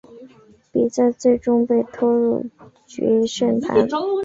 比赛最终被拖入决胜盘。